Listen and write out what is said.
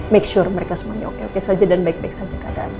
make sure mereka semuanya oke oke saja dan baik baik saja keadaan